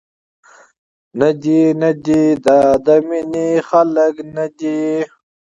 ندي، ندي دا د مینې خلک ندي.